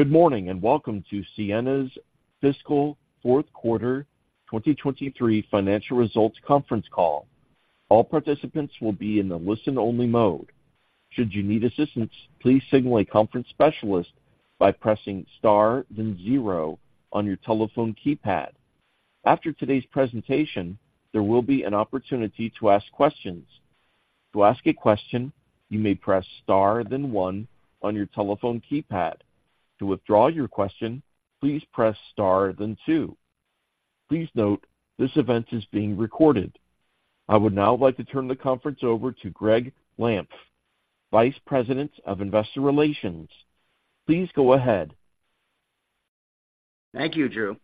Good morning, and welcome to Ciena's Fiscal Q4 2023 Financial Results Conference Call. All participants will be in the listen-only mode. Should you need assistance, please signal a conference specialist by pressing Star, then zero on your telephone keypad. After today's presentation, there will be an opportunity to ask questions. To ask a question, you may press Star, then one on your telephone keypad. To withdraw your question, please press Star, then two. Please note, this event is being recorded. I would now like to turn the conference over to Gregg Lampf, Vice President of Investor Relations. Please go ahead. Thank you, Drew.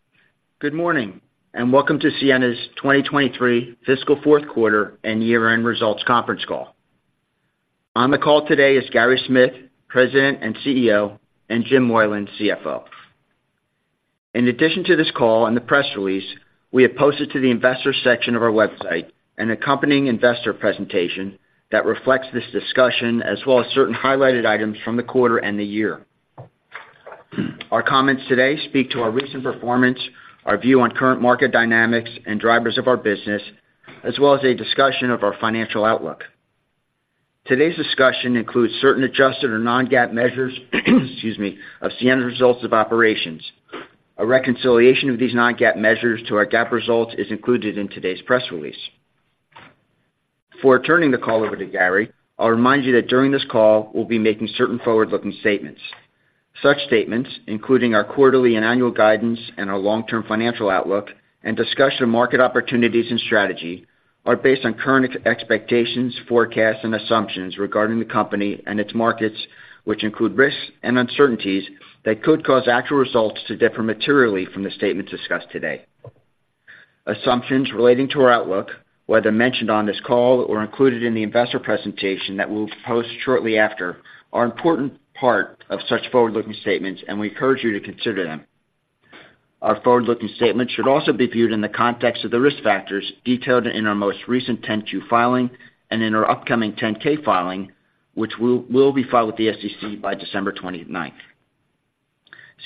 Good morning, and welcome to Ciena's 2023 Fiscal Q4 and Year-End Results Conference Call. On the call today is Gary Smith, President and CEO, and Jim Moylan, CFO. In addition to this call and the press release, we have posted to the investor section of our website, an accompanying investor presentation that reflects this discussion, as well as certain highlighted items from the quarter and the year. Our comments today speak to our recent performance, our view on current market dynamics and drivers of our business, as well as a discussion of our financial outlook. Today's discussion includes certain adjusted or non-GAAP measures, excuse me, of Ciena's results of operations. A reconciliation of these non-GAAP measures to our GAAP results is included in today's press release. Before turning the call over to Gary, I'll remind you that during this call, we'll be making certain forward-looking statements. Such statements, including our quarterly and annual guidance and our long-term financial outlook, and discussion of market opportunities and strategy, are based on current expectations, forecasts, and assumptions regarding the company and its markets, which include risks and uncertainties that could cause actual results to differ materially from the statements discussed today. Assumptions relating to our outlook, whether mentioned on this call or included in the investor presentation that we'll post shortly after, are an important part of such forward-looking statements, and we encourage you to consider them. Our forward-looking statements should also be viewed in the context of the risk factors detailed in our most recent 10-Q filing and in our upcoming 10-K filing, which will be filed with the SEC by December 29.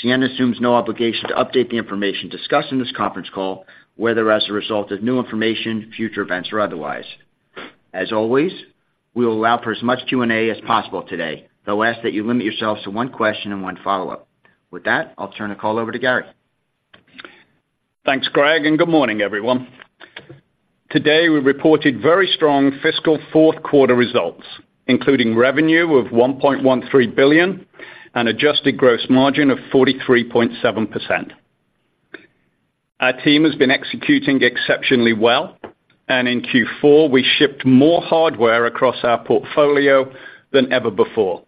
Ciena assumes no obligation to update the information discussed in this conference call, whether as a result of new information, future events, or otherwise. As always, we will allow for as much Q&A as possible today, though I ask that you limit yourselves to one question and one follow-up. With that, I'll turn the call over to Gary. Thanks, Gregg, and good morning, everyone. Today, we reported very strong fiscal Q4 results, including revenue of $1.13 billion and adjusted gross margin of 43.7%. Our team has been executing exceptionally well, and in Q4, we shipped more hardware across our portfolio than ever before.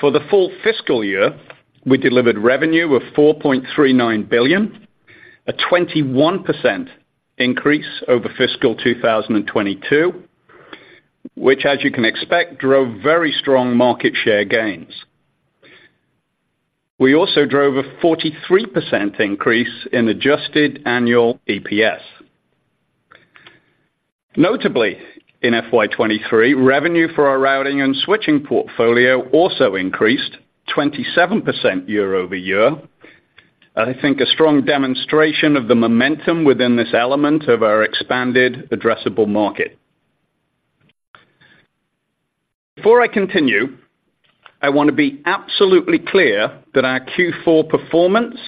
For the full fiscal year, we delivered revenue of $4.39 billion, a 21% increase over fiscal 2022, which, as you can expect, drove very strong market share gains. We also drove a 43% increase in adjusted annual EPS. Notably, in FY 2023, revenue for our Routing and Switching portfolio also increased 27% year-over-year. I think a strong demonstration of the momentum within this element of our expanded addressable market. Before I continue, I want to be absolutely clear that our Q4 performance,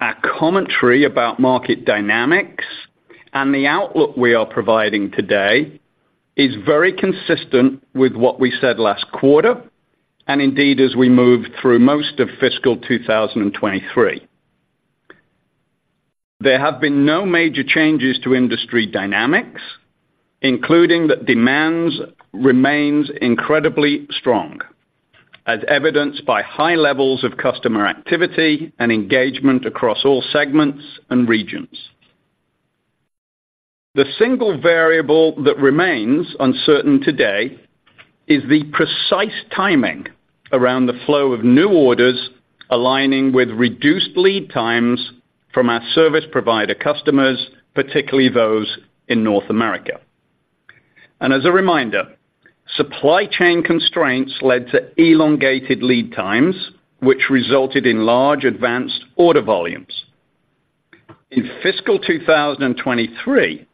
our commentary about market dynamics, and the outlook we are providing today is very consistent with what we said last quarter, and indeed, as we moved through most of fiscal 2023. There have been no major changes to industry dynamics, including that demands remains incredibly strong, as evidenced by high levels of customer activity and engagement across all segments and regions. The single variable that remains uncertain today is the precise timing around the flow of new orders aligning with reduced lead times from our service provider customers, particularly those in North America. As a reminder, supply chain constraints led to elongated lead times, which resulted in large advanced order volumes. In fiscal 2023,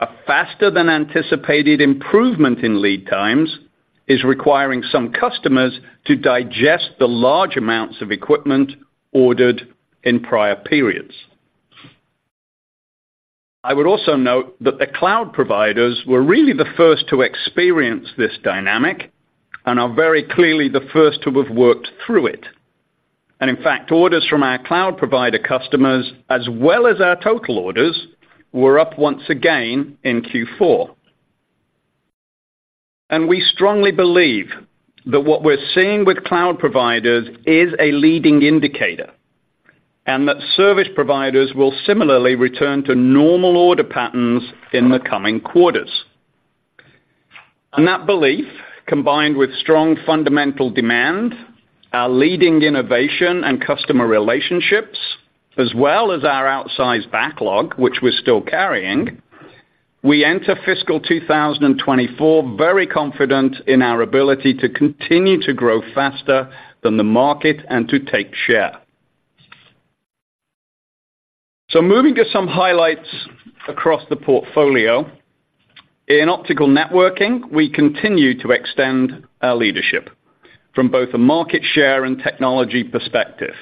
a faster than anticipated improvement in lead times is requiring some customers to digest the large amounts of equipment ordered in prior periods. I would also note that the cloud providers were really the first to experience this dynamic and are very clearly the first to have worked through it. In fact, orders from our cloud provider customers, as well as our total orders, were up once again in Q4. We strongly believe that what we're seeing with cloud providers is a leading indicator, and that service providers will similarly return to normal order patterns in the coming quarters. That belief, combined with strong fundamental demand, our leading innovation and customer relationships, as well as our outsized backlog, which we're still carrying... We enter fiscal 2024 very confident in our ability to continue to grow faster than the market and to take share. Moving to some highlights across the portfolio. In Optical Networking, we continue to extend our leadership from both a market share and technology perspective.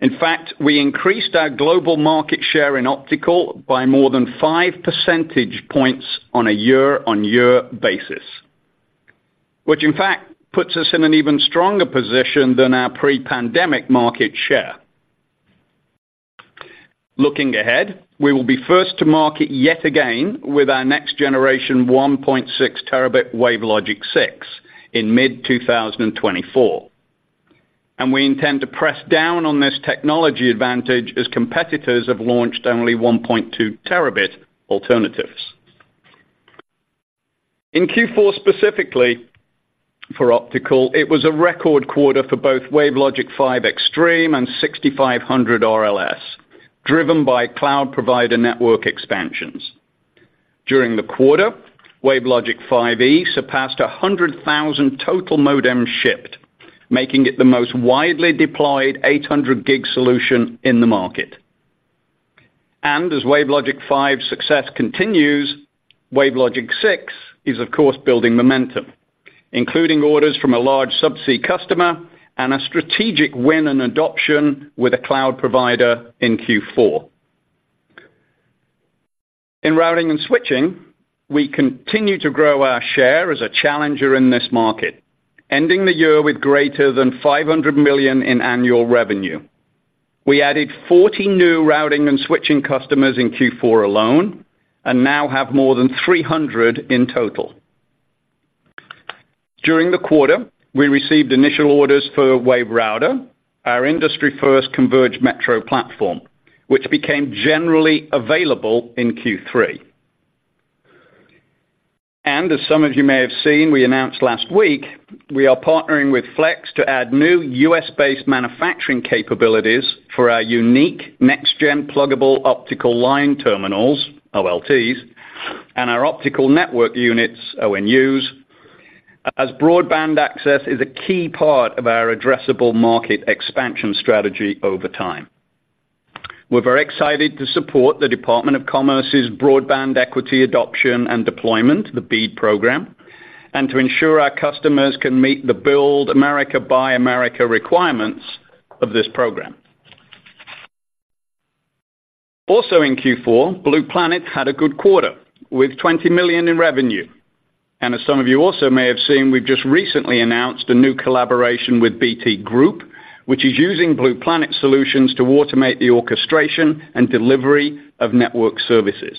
In fact, we increased our global market share in optical by more than 5 percentage points on a year-on-year basis, which in fact puts us in an even stronger position than our pre-pandemic market share. Looking ahead, we will be first to market yet again with our next generation 1.6 terabit WaveLogic 6 in mid-2024. We intend to press down on this technology advantage as competitors have launched only 1.2 terabit alternatives. In Q4, specifically for optical, it was a record quarter for both WaveLogic 5 Extreme and 6500 RLS, driven by cloud provider network expansions. During the quarter, WaveLogic 5E surpassed 100,000 total modem shipped, making it the most widely deployed 800 gig solution in the market. As WaveLogic 5 success continues, WaveLogic 6 is of course, building momentum, including orders from a large sub-sea customer and a strategic win and adoption with a cloud provider in Q4. In Routing and Switching, we continue to grow our share as a challenger in this market, ending the year with greater than $500 million in annual revenue. We added 40 new Routing and Switching customers in Q4 alone, and now have more than 300 in total. During the quarter, we received initial orders for WaveRouter, our industry-first converged metro platform, which became generally available in Q3. As some of you may have seen, we announced last week, we are partnering with Flex to add new US-based manufacturing capabilities for our unique next-gen pluggable optical line terminals, OLTs, and our optical network units, ONUs, as broadband access is a key part of our addressable market expansion strategy over time. We're very excited to support the Department of Commerce's Broadband Equity, Access, and Deployment, the BEAD program, and to ensure our customers can meet the Build America, Buy America requirements of this program. Also in Q4, Blue Planet had a good quarter with $20 million in revenue. As some of you also may have seen, we've just recently announced a new collaboration with BT Group, which is using Blue Planet solutions to automate the orchestration and delivery of network services.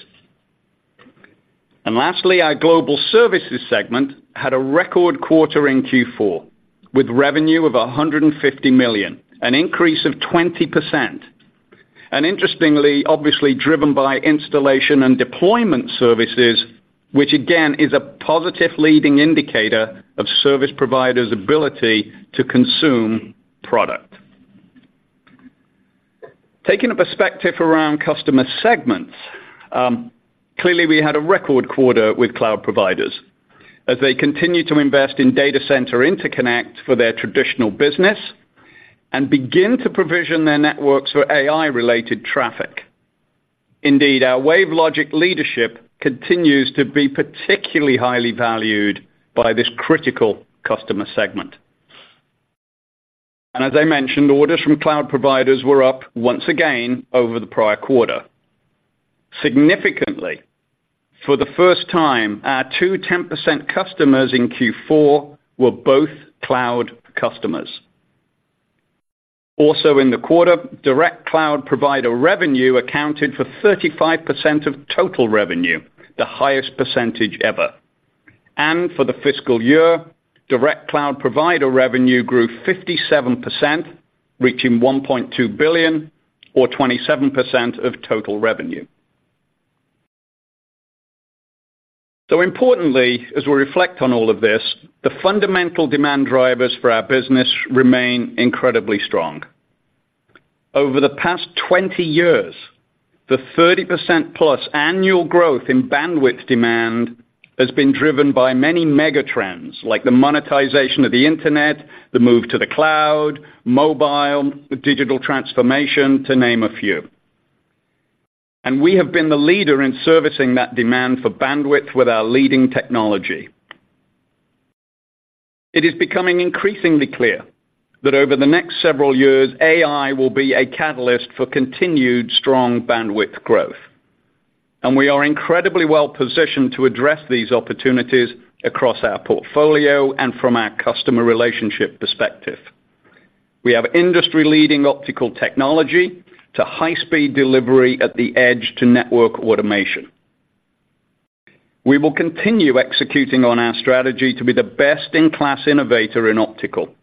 Lastly, our Global Services segment had a record quarter in Q4, with revenue of $150 million, an increase of 20%. Interestingly, obviously driven by installation and deployment services, which again, is a positive leading indicator of service providers ability to consume product. Taking a perspective around customer segments, clearly, we had a record quarter with cloud providers, as they continue to invest in data center interconnect for their traditional business and begin to provision their networks for AI-related traffic. Indeed, our WaveLogic leadership continues to be particularly highly valued by this critical customer segment. And as I mentioned, orders from cloud providers were up once again over the prior quarter. Significantly, for the first time, our two 10% customers in Q4 were both cloud customers. Also in the quarter, direct cloud provider revenue accounted for 35% of total revenue, the highest percentage ever. And for the fiscal year, direct cloud provider revenue grew 57%, reaching $1.2 billion or 27% of total revenue. So importantly, as we reflect on all of this, the fundamental demand drivers for our business remain incredibly strong. Over the past 20 years, the 30%+ annual growth in bandwidth demand has been driven by many megatrends, like the monetization of the internet, the move to the cloud, mobile, digital transformation, to name a few. And we have been the leader in servicing that demand for bandwidth with our leading technology. It is becoming increasingly clear that over the next several years, AI will be a catalyst for continued strong bandwidth growth, and we are incredibly well-positioned to address these opportunities across our portfolio and from our customer relationship perspective. We have industry-leading optical technology to high-speed delivery at the edge to network automation. We will continue executing on our strategy to be the best-in-class innovator in optical,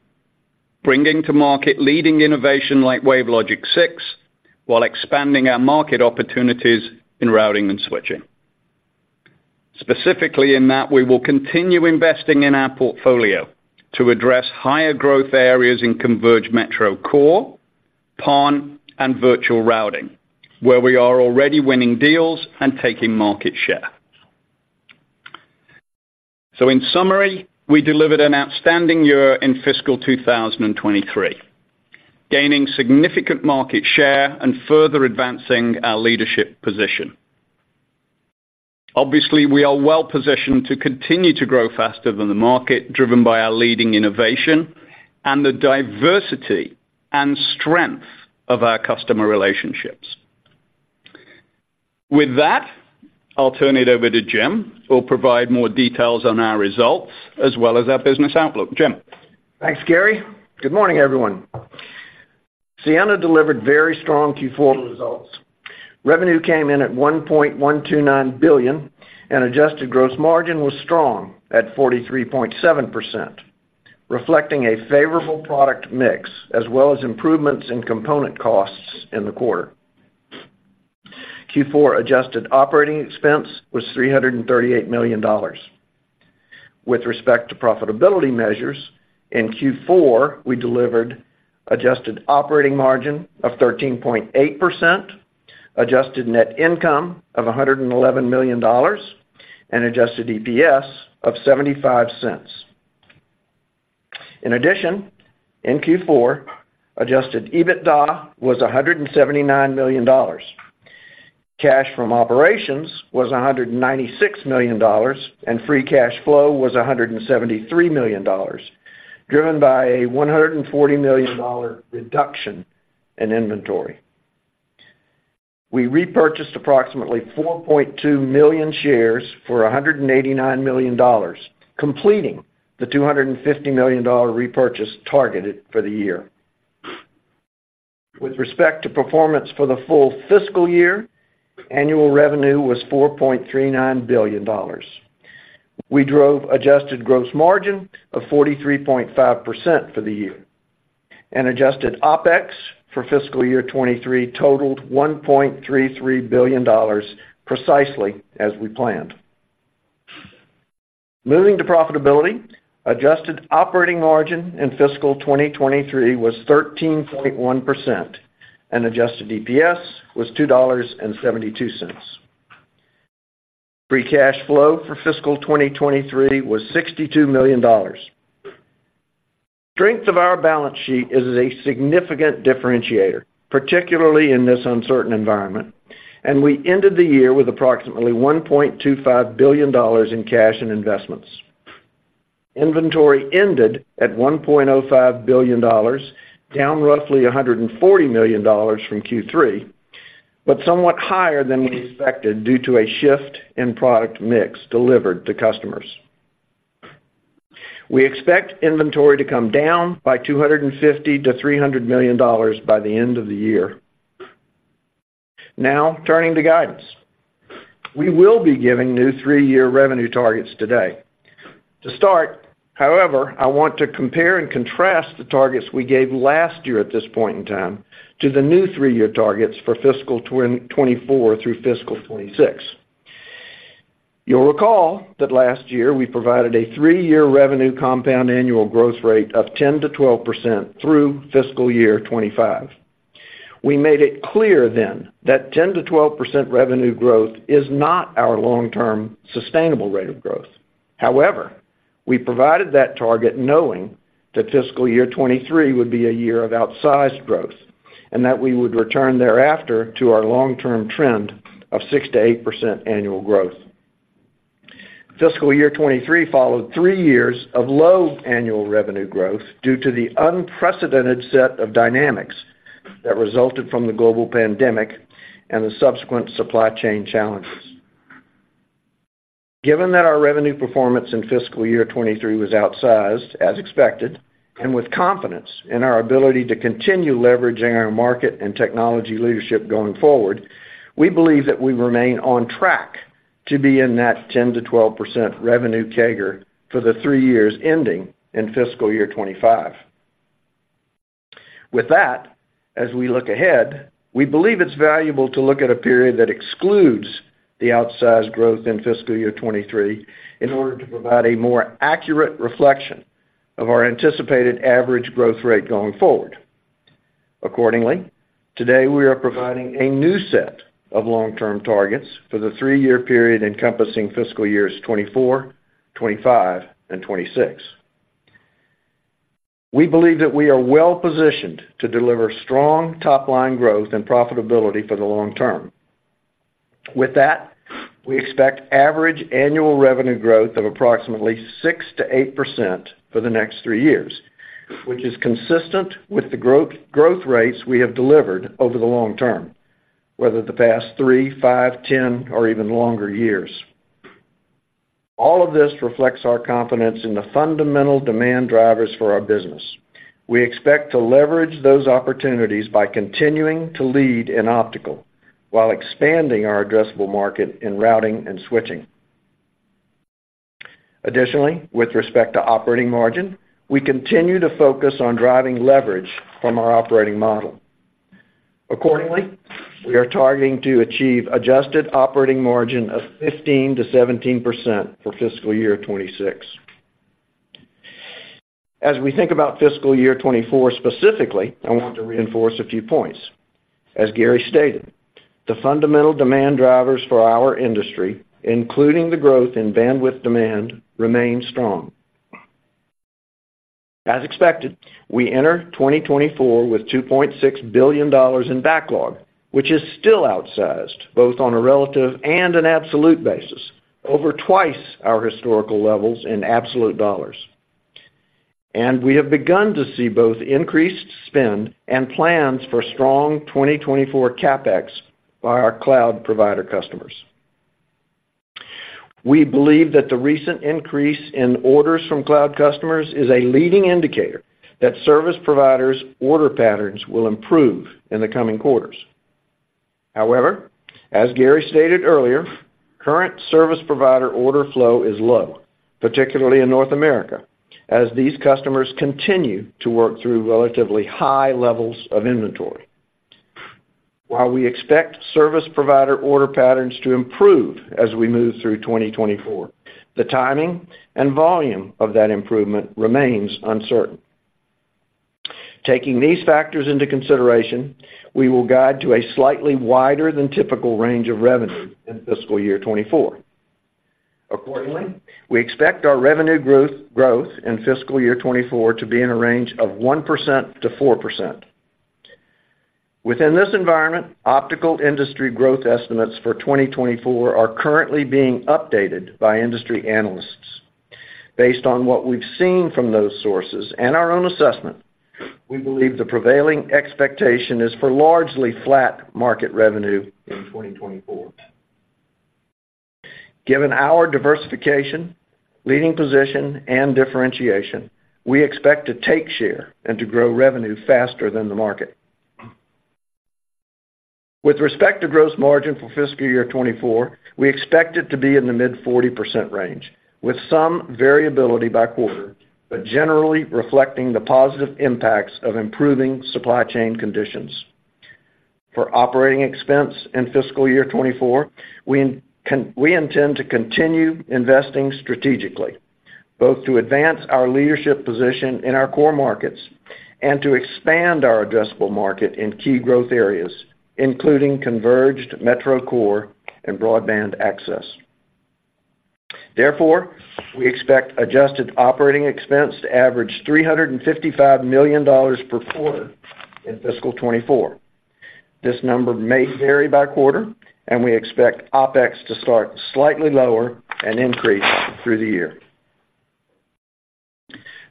bringing to market leading innovation like WaveLogic 6, while expanding our market opportunities in Routing and Switching. Specifically, in that we will continue investing in our portfolio to address higher growth areas in converged metro core, PON, and virtual routing, where we are already winning deals and taking market share. So in summary, we delivered an outstanding year in fiscal 2023, gaining significant market share and further advancing our leadership position. Obviously, we are well-positioned to continue to grow faster than the market, driven by our leading innovation and the diversity and strength of our customer relationships. With that, I'll turn it over to Jim, who'll provide more details on our results as well as our business outlook. Jim? Thanks, Gary. Good morning, everyone. Ciena delivered very strong Q4 results. Revenue came in at $1.129 billion, and adjusted gross margin was strong at 43.7%, reflecting a favorable product mix, as well as improvements in component costs in the quarter. Q4 adjusted operating expense was $338 million. With respect to profitability measures, in Q4, we delivered adjusted operating margin of 13.8%, adjusted net income of $111 million, and adjusted EPS of $0.75. In addition, in Q4, adjusted EBITDA was $179 million. Cash from operations was $196 million, and free cash flow was $173 million, driven by a $140 million reduction in inventory. We repurchased approximately 4.2 million shares for $189 million, completing the $250 million repurchase targeted for the year. With respect to performance for the full fiscal year, annual revenue was $4.39 billion. We drove adjusted gross margin of 43.5% for the year, and adjusted OpEx for fiscal year 2023 totaled $1.33 billion, precisely as we planned. Moving to profitability, adjusted operating margin in fiscal 2023 was 13.1%, and adjusted EPS was $2.72. Free cash flow for fiscal 2023 was $62 million. Strength of our balance sheet is a significant differentiator, particularly in this uncertain environment, and we ended the year with approximately $1.25 billion in cash and investments. Inventory ended at $1.05 billion, down roughly $140 million from Q3, but somewhat higher than we expected due to a shift in product mix delivered to customers. We expect inventory to come down by $250 million-$300 million by the end of the year. Now, turning to guidance. We will be giving new three-year revenue targets today. To start, however, I want to compare and contrast the targets we gave last year at this point in time to the new three-year targets for fiscal 2024 through fiscal 2026. You'll recall that last year, we provided a three-year revenue compound annual growth rate of 10%-12% through fiscal year 2025. We made it clear then that 10%-12% revenue growth is not our long-term sustainable rate of growth. However, we provided that target knowing that fiscal year 2023 would be a year of outsized growth, and that we would return thereafter to our long-term trend of 6%-8% annual growth. Fiscal year 2023 followed three years of low annual revenue growth due to the unprecedented set of dynamics that resulted from the global pandemic and the subsequent supply chain challenges. Given that our revenue performance in fiscal year 2023 was outsized, as expected, and with confidence in our ability to continue leveraging our market and technology leadership going forward, we believe that we remain on track to be in that 10%-12% revenue CAGR for the three years ending in fiscal year 2025. With that, as we look ahead, we believe it's valuable to look at a period that excludes the outsized growth in fiscal year 2023 in order to provide a more accurate reflection of our anticipated average growth rate going forward. Accordingly, today, we are providing a new set of long-term targets for the three-year period encompassing fiscal years 2024, 2025, and 2026. We believe that we are well-positioned to deliver strong top-line growth and profitability for the long term. With that, we expect average annual revenue growth of approximately 6%-8% for the next three years, which is consistent with the growth, growth rates we have delivered over the long term, whether the past 3, 5, 10, or even longer years. All of this reflects our confidence in the fundamental demand drivers for our business. We expect to leverage those opportunities by continuing to lead in optical while expanding our addressable market in Routing and Switching. Additionally, with respect to operating margin, we continue to focus on driving leverage from our operating model. Accordingly, we are targeting to achieve adjusted operating margin of 15%-17% for fiscal year 2026. As we think about fiscal year 2024 specifically, I want to reinforce a few points. As Gary stated, the fundamental demand drivers for our industry, including the growth in bandwidth demand, remain strong. As expected, we enter 2024 with $2.6 billion in backlog, which is still outsized, both on a relative and an absolute basis, over twice our historical levels in absolute dollars. We have begun to see both increased spend and plans for strong 2024 CapEx by our cloud provider customers. We believe that the recent increase in orders from cloud customers is a leading indicator that service providers' order patterns will improve in the coming quarters. However, as Gary stated earlier, current service provider order flow is low, particularly in North America, as these customers continue to work through relatively high levels of inventory. While we expect service provider order patterns to improve as we move through 2024, the timing and volume of that improvement remains uncertain. Taking these factors into consideration, we will guide to a slightly wider than typical range of revenue in fiscal year 2024. Accordingly, we expect our revenue growth, growth in fiscal year 2024 to be in a range of 1%-4%. Within this environment, optical industry growth estimates for 2024 are currently being updated by industry analysts. Based on what we've seen from those sources and our own assessment, we believe the prevailing expectation is for largely flat market revenue in 2024. Given our diversification, leading position, and differentiation, we expect to take share and to grow revenue faster than the market. With respect to gross margin for fiscal year 2024, we expect it to be in the mid-40% range, with some variability by quarter, but generally reflecting the positive impacts of improving supply chain conditions. For operating expense in fiscal year 2024, we intend to continue investing strategically, both to advance our leadership position in our core markets and to expand our addressable market in key growth areas, including converged metro core and broadband access. Therefore, we expect adjusted operating expense to average $355 million per quarter in fiscal 2024. This number may vary by quarter, and we expect OpEx to start slightly lower and increase through the year.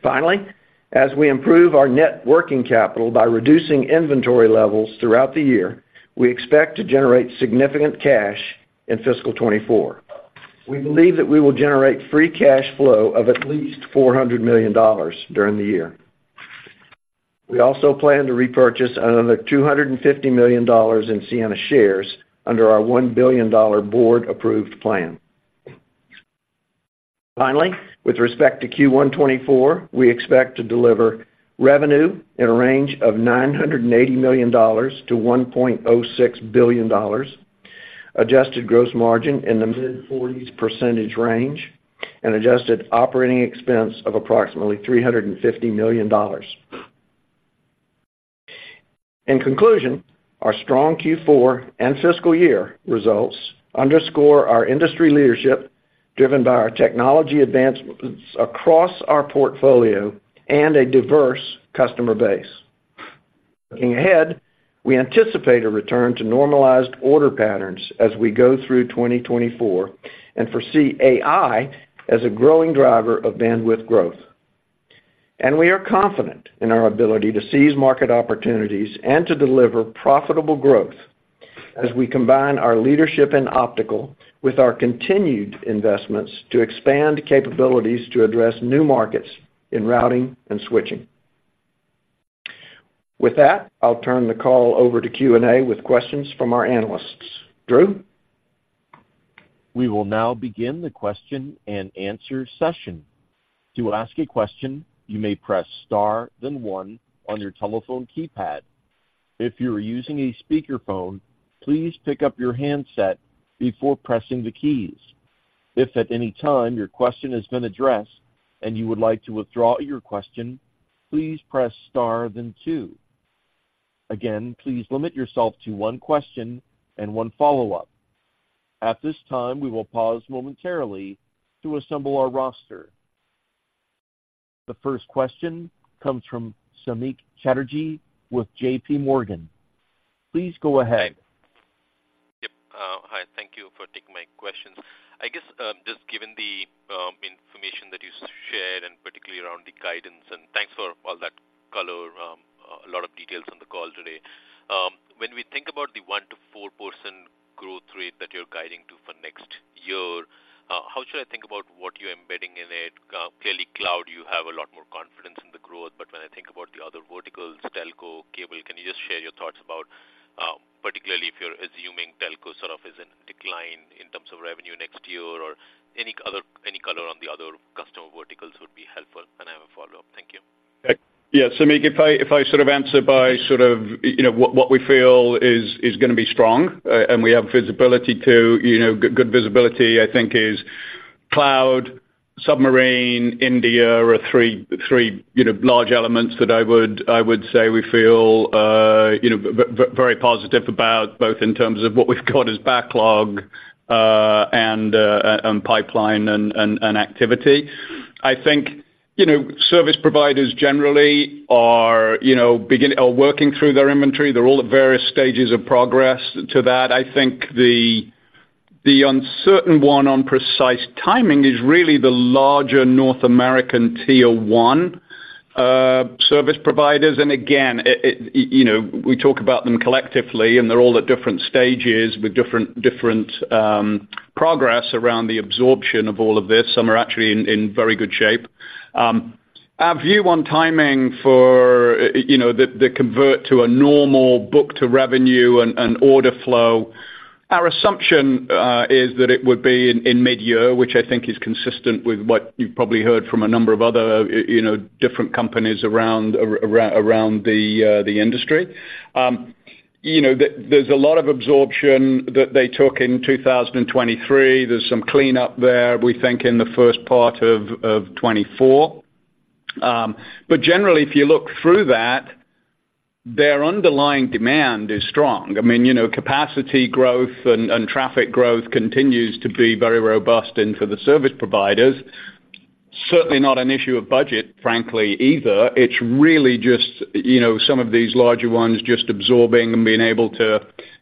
Finally, as we improve our net working capital by reducing inventory levels throughout the year, we expect to generate significant cash in fiscal 2024. We believe that we will generate free cash flow of at least $400 million during the year. We also plan to repurchase another $250 million in Ciena shares under our $1 billion board-approved plan. Finally, with respect to Q1 2024, we expect to deliver revenue in a range of $980 million-$1.06 billion, adjusted gross margin in the mid-40s% range, and adjusted operating expense of approximately $350 million. In conclusion, our strong Q4 and fiscal year results underscore our industry leadership, driven by our technology advancements across our portfolio and a diverse customer base. Looking ahead, we anticipate a return to normalized order patterns as we go through 2024 and foresee AI as a growing driver of bandwidth growth. We are confident in our ability to seize market opportunities and to deliver profitable growth as we combine our leadership in optical with our continued investments to expand capabilities to address new markets in Routing and Switching. With that, I'll turn the call over to Q&A with questions from our analysts. Drew? We will now begin the question and answer session. To ask a question, you may press star, then one on your telephone keypad. If you are using a speakerphone, please pick up your handset before pressing the keys. If at any time your question has been addressed and you would like to withdraw your question, please press star then two. Again, please limit yourself to one question and one follow-up. At this time, we will pause momentarily to assemble our roster. The first question comes from Samik Chatterjee with JP Morgan. Please go ahead. Yep. Hi, thank you for taking my questions. I guess, just given the information that you shared, and particularly around the guidance, and thanks for all that color, a lot of details on the call today. When we think about the 1%-4% growth rate that you're guiding to for next year, how should I think about what you're embedding in it? Clearly, cloud, you have a lot more confidence in the growth, but when I think about the other verticals, telco, cable, can you just share your thoughts about, particularly if you're assuming sort of is in decline in terms of revenue next year or any other, any color on the other customer verticals would be helpful, and I have a follow-up. Thank you. Yeah, Samik, if I, if I sort of answer by sort of, you know, what, what we feel is, is gonna be strong, and we have visibility to, you know, good, good visibility, I think, is cloud, submarine, India, are three, three, you know, large elements that I would, I would say we feel, you know, very positive about, both in terms of what we've got as backlog, and, and pipeline and, and, and activity. I think, you know, service providers generally are, you know, are working through their inventory. They're all at various stages of progress to that. I think the, the uncertain one on precise timing is really the larger North American Tier 1 service providers. Again, you know, we talk about them collectively, and they're all at different stages with different progress around the absorption of all of this. Some are actually in very good shape. Our view on timing for, you know, the convert to a normal book-to-revenue and order flow, our assumption is that it would be in mid-year, which I think is consistent with what you've probably heard from a number of other, you know, different companies around the industry. You know, there's a lot of absorption that they took in 2023. There's some cleanup there, we think, in the first part of 2024. But generally, if you look through that, their underlying demand is strong. I mean, you know, capacity growth and, and traffic growth continues to be very robust, and for the service providers, certainly not an issue of budget, frankly, either. It's really just, you know, some of these larger ones just absorbing and being able to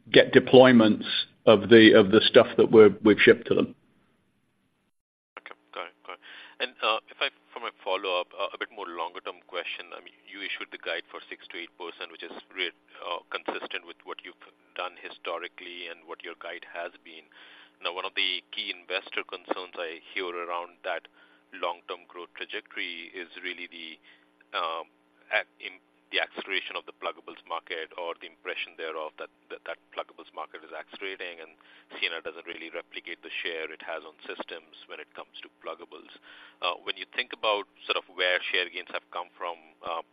get deployments of the, of the stuff that we're—we've shipped to them. Okay, got it. Got it. And, if I, for my follow-up, a bit more longer-term question, I mean, you issued the guide for 6%-8%, which is consistent with what you've done historically and what your guide has been. Now, one of the key investor concerns I hear around that long-term growth trajectory is really the acceleration of the pluggables market or the impression thereof, that pluggables market is accelerating, and Ciena doesn't really replicate the share it has on systems when it comes to pluggables. When you think about sort of where share gains have come from,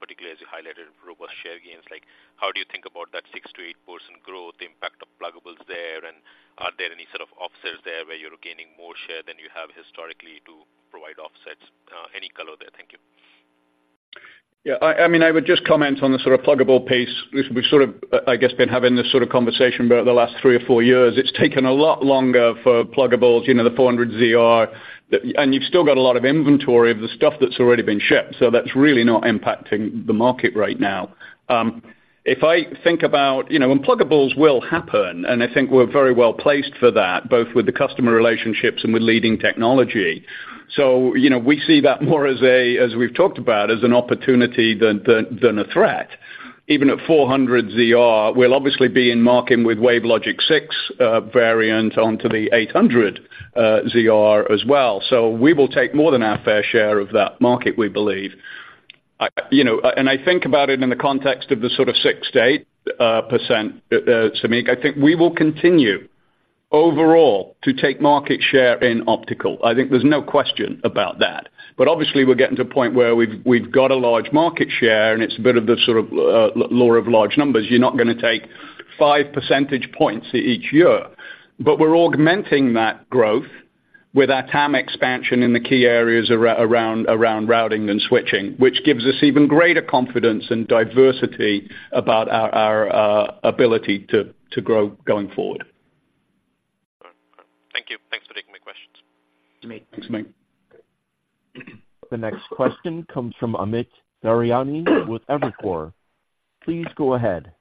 particularly as you highlighted, robust share gains, like, how do you think about that 6%-8% growth, the impact of pluggables there? Are there any sort of offsets there where you're gaining more share than you have historically to provide offsets? Any color there? Thank you. Yeah, I mean, I would just comment on the sort of pluggable piece. We've sort of, I guess, been having this sort of conversation about the last 3 or 4 years. It's taken a lot longer for pluggables, you know, the 400 ZR. And you've still got a lot of inventory of the stuff that's already been shipped, so that's really not impacting the market right now. If I think about, you know, and pluggables will happen, and I think we're very well placed for that, both with the customer relationships and with leading technology. So, you know, we see that more as a, as we've talked about, as an opportunity than a threat. Even at 400 ZR, we'll obviously be in market with WaveLogic 6 variant onto the 800 ZR as well. So we will take more than our fair share of that market, we believe. I, you know, and I think about it in the context of the sort of 6%-8%, Samik. I think we will continue overall to take market share in optical. I think there's no question about that. But obviously, we're getting to a point where we've got a large market share, and it's a bit of the sort of law of large numbers. You're not gonna take five percentage points each year. But we're augmenting that growth with our TAM expansion in the key areas around Routing and Switching, which gives us even greater confidence and diversity about our ability to grow going forward. Thank you. Thanks for taking my questions. Samik. Thanks, Samik. The next question comes from Amit Daryanani with Evercore. Please go ahead.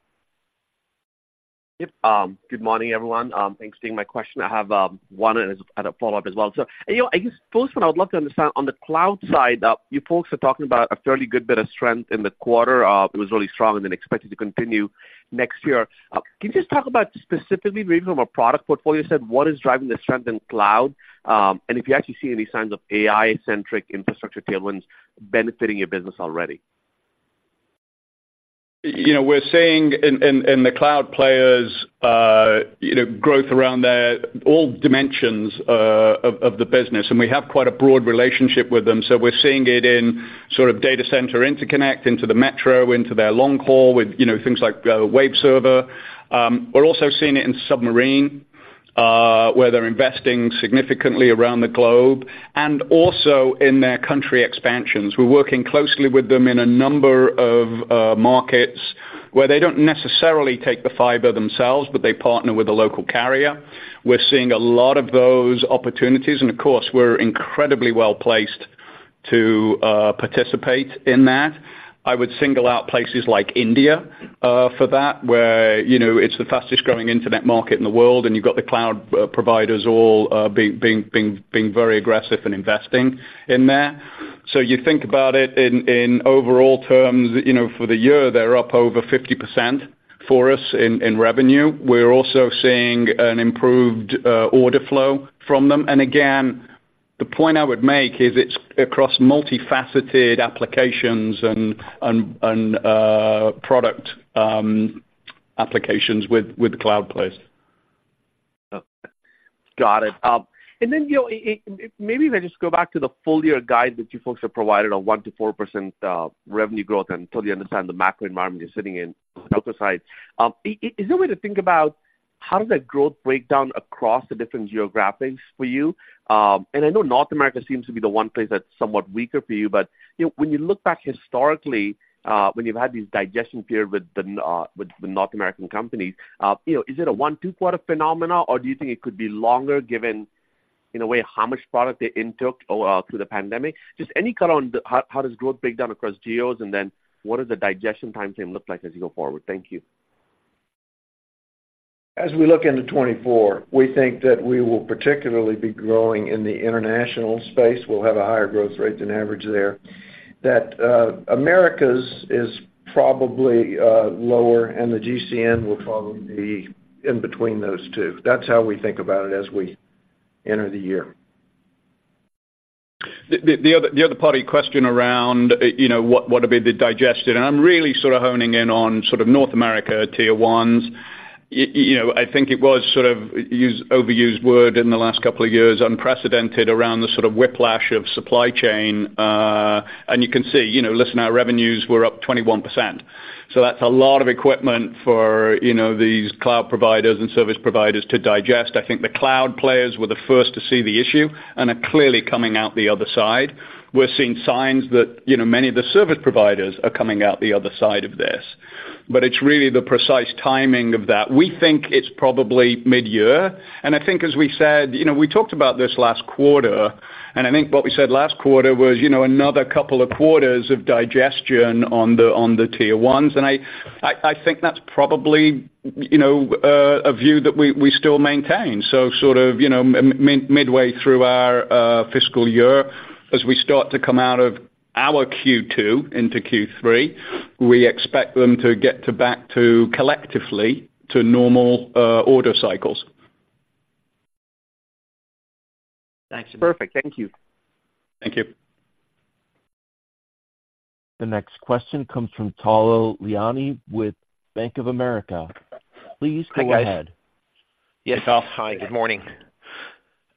Yep, good morning, everyone. Thanks for taking my question. I have one and a follow-up as well. So, you know, I guess first one, I would love to understand on the cloud side, you folks are talking about a fairly good bit of strength in the quarter. It was really strong and then expected to continue next year. Can you just talk about specifically maybe from a product portfolio side, what is driving the strength in cloud? And if you actually see any signs of AI-centric infrastructure tailwinds benefiting your business already. You know, we're seeing in the cloud players, you know, growth around their all dimensions of the business, and we have quite a broad relationship with them. So we're seeing it in sort of data center interconnect into the metro, into their long haul with, you know, things like Waveserver. We're also seeing it in submarine, where they're investing significantly around the globe and also in their country expansions. We're working closely with them in a number of markets where they don't necessarily take the fiber themselves, but they partner with a local carrier. We're seeing a lot of those opportunities, and of course, we're incredibly well placed to participate in that. I would single out places like India for that, where, you know, it's the fastest growing internet market in the world, and you've got the cloud providers all being very aggressive in investing in there. So you think about it in overall terms, you know, for the year, they're up over 50% for us in revenue. We're also seeing an improved order flow from them. And again, the point I would make is it's across multifaceted applications and product applications with the cloud players. Got it. And then, you know, maybe if I just go back to the full year guide that you folks have provided on 1%-4% revenue growth, and totally understand the macro environment you're sitting in outside. Is there a way to think about how does that growth break down across the different geographies for you? And I know North America seems to be the one place that's somewhat weaker for you, but, you know, when you look back historically, when you've had these digestion periods with the North American companies, you know, is it a 1- or 2-quarter phenomenon, or do you think it could be longer given, in a way, how much product they took in through the pandemic? Just any color on how does growth break down across geos, and then what does the digestion timeframe look like as you go forward? Thank you. As we look into 2024, we think that we will particularly be growing in the international space. We'll have a higher growth rate than average there. That, Americas is probably lower, and the GCN will probably be in between those two. That's how we think about it as we enter the year. The other part of your question around, you know, what would be the digestion, and I'm really sort of honing in on sort of North America Tier 1s. You know, I think it was sort of used, overused word in the last couple of years, unprecedented around the sort of whiplash of supply chain, and you can see, you know, listen, our revenues were up 21%, so that's a lot of equipment for, you know, these cloud providers and service providers to digest. I think the cloud players were the first to see the issue and are clearly coming out the other side. We're seeing signs that, you know, many of the service providers are coming out the other side of this, but it's really the precise timing of that. We think it's probably midyear, and I think as we said, you know, we talked about this last quarter, and I think what we said last quarter was, you know, another couple of quarters of digestion on the Tier 1s. I think that's probably, you know, a view that we still maintain. So sort of, you know, midway through our fiscal year, as we start to come out of our Q2 into Q3, we expect them to get back to collectively normal order cycles. Thanks. Perfect. Thank you. Thank you. The next question comes from Tal Liani with Bank of America. Please go ahead. Hi, guys. Yes, Tal. Hi, good morning.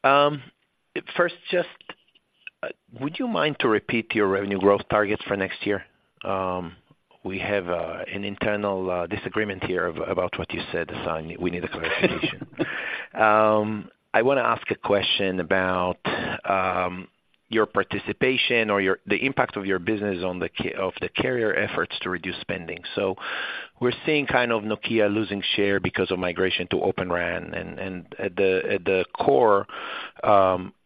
First, just, would you mind to repeat your revenue growth targets for next year? We have an internal disagreement here about what you said, so we need a clarification. I want to ask a question about your participation or your the impact of your business on the of the carrier efforts to reduce spending. So we're seeing kind of Nokia losing share because of migration to Open RAN, and at the core,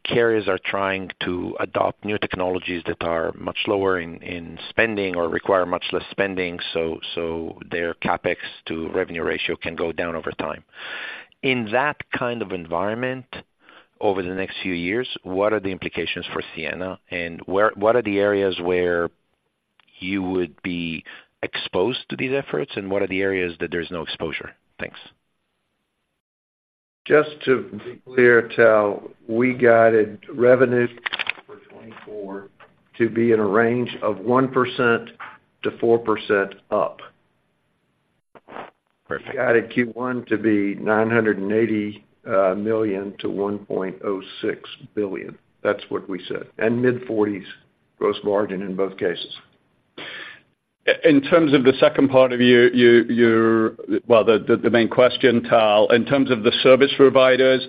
carriers are trying to adopt new technologies that are much lower in spending or require much less spending, so their CapEx to revenue ratio can go down over time. In that kind of environment, over the next few years, what are the implications for Ciena? What are the areas where you would be exposed to these efforts, and what are the areas that there's no exposure? Thanks. Just to be clear, Tal Liani, we guided revenue for 2024 to be in a range of 1%-4% up. Perfect. We guided Q1 to be $980 million-$1.06 billion. That's what we said, and mid-40s% gross margin in both cases. In terms of the second part of your well, the main question, Tal, in terms of the service providers,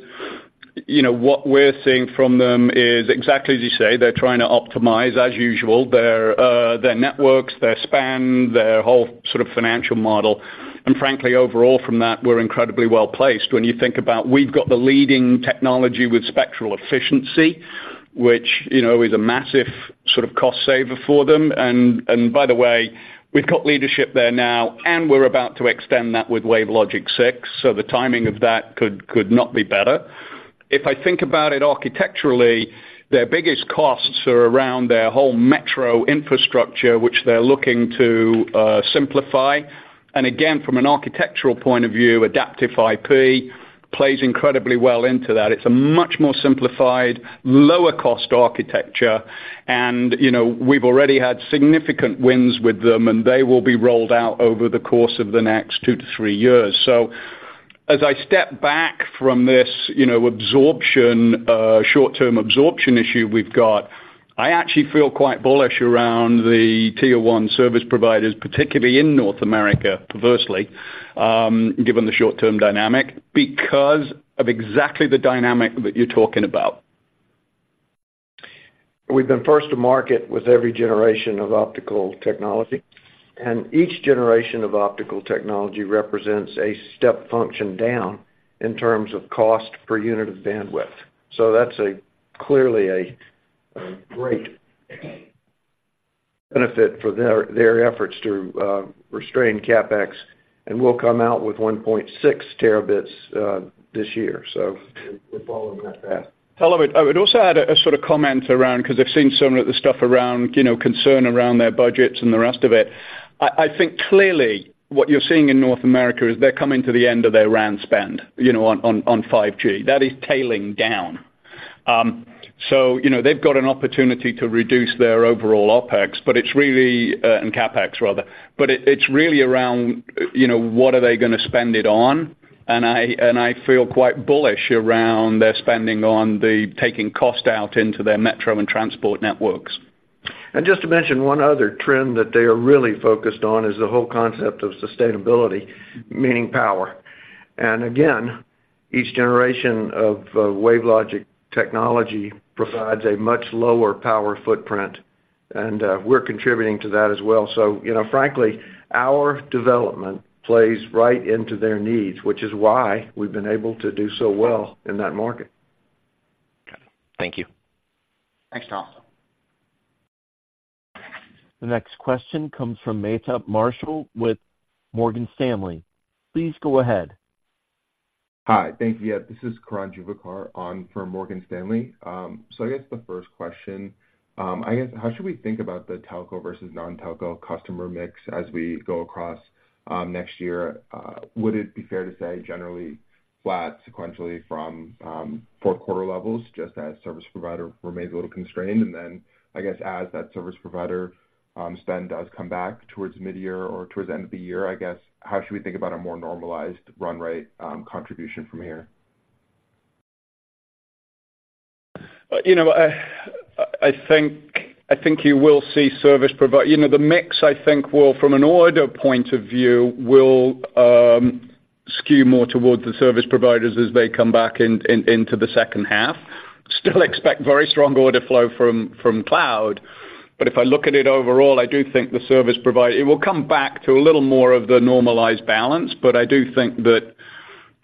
you know, what we're seeing from them is exactly as you say, they're trying to optimize, as usual, their networks, their span, their whole sort of financial model. And frankly, overall from that, we're incredibly well-placed. When you think about we've got the leading technology with spectral efficiency, which, you know, is a massive sort of cost saver for them. And by the way, we've got leadership there now, and we're about to extend that with WaveLogic 6, so the timing of that could not be better. If I think about it architecturally, their biggest costs are around their whole metro infrastructure, which they're looking to simplify. Again, from an architectural point of view, Adaptive IP plays incredibly well into that. It's a much more simplified, lower cost architecture. And, you know, we've already had significant wins with them, and they will be rolled out over the course of the next 2-3 years. So as I step back from this, you know, absorption, short-term absorption issue we've got, I actually feel quite bullish around the Tier 1 service providers, particularly in North America, perversely, given the short-term dynamic, because of exactly the dynamic that you're talking about. We've been first to market with every generation of optical technology, and each generation of optical technology represents a step function down in terms of cost per unit of bandwidth. So that's clearly a great benefit for their efforts to restrain CapEx, and we'll come out with 1.6 terabits this year, so we're following that path. Tal, I would also add a sort of comment around, because I've seen some of the stuff around, you know, concern around their budgets and the rest of it. I think clearly what you're seeing in North America is they're coming to the end of their RAN spend, you know, on 5G. That is tailing down. So, you know, they've got an opportunity to reduce their overall OpEx, but it's really and CapEx rather. But it, it's really around, you know, what are they gonna spend it on? And I feel quite bullish around their spending on the taking cost out into their metro and transport networks. Just to mention, one other trend that they are really focused on is the whole concept of sustainability, meaning power. Again, each generation of WaveLogic technology provides a much lower power footprint, and we're contributing to that as well. So, you know, frankly, our development plays right into their needs, which is why we've been able to do so well in that market. Thank you. Thanks, Tal. The next question comes from Meta Marshall with Morgan Stanley. Please go ahead. Hi, thank you. Yeah, this is Karan Juvekar on for Morgan Stanley. So I guess the first question, I guess, how should we think about the telco versus non-telco customer mix as we go across, next year? Would it be fair to say, generally flat sequentially from, Q4 levels, just as service provider remains a little constrained? And then, I guess, as that service provider, spend does come back towards mid-year or towards the end of the year, I guess, how should we think about a more normalized run rate, contribution from here? You know, I think, I think you will see service providers—you know, the mix, I think, will, from an order point of view, will skew more towards the service providers as they come back in, into the second half. Still expect very strong order flow from cloud, but if I look at it overall, I do think the service providers. It will come back to a little more of the normalized balance, but I do think that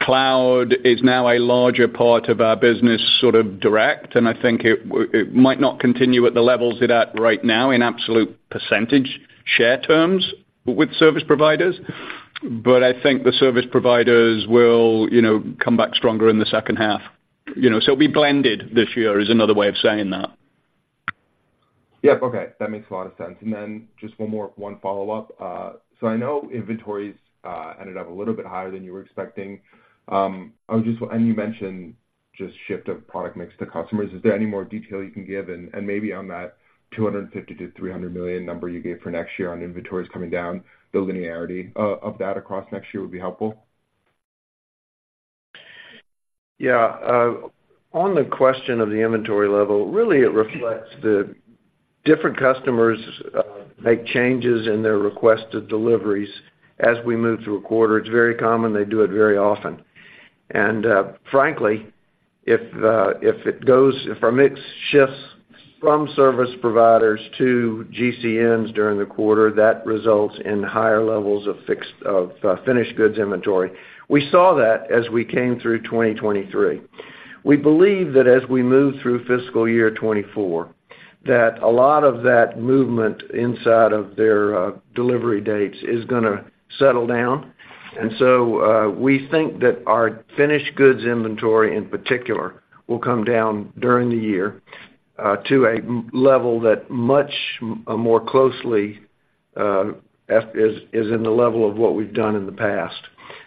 cloud is now a larger part of our business, sort of direct, and I think it might not continue at the levels it's at right now in absolute percentage share terms with service providers, but I think the service providers will, you know, come back stronger in the second half. You know, so it'll be blended this year, is another way of saying that. Yep. Okay, that makes a lot of sense. And then just one more—one follow-up. So I know inventories ended up a little bit higher than you were expecting. I was just—and you mentioned just shift of product mix to customers. Is there any more detail you can give? And, and maybe on that $250 million-$300 million number you gave for next year on inventories coming down, the linearity of, of that across next year would be helpful. Yeah. On the question of the inventory level, really, it reflects the different customers make changes in their requested deliveries as we move through a quarter. It's very common, they do it very often. And frankly, if our mix shifts from service providers to GCNs during the quarter, that results in higher levels of finished goods inventory. We saw that as we came through 2023. We believe that as we move through fiscal year 2024, that a lot of that movement inside of their delivery dates is gonna settle down. And so, we think that our finished goods inventory, in particular, will come down during the year to a level that much more closely is in the level of what we've done in the past.